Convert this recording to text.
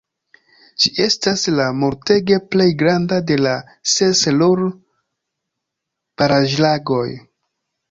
Ĝi estas la multege plej granda de la ses Ruhr-baraĵlagoj.